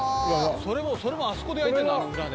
「それもあそこで焼いてるのあの裏で」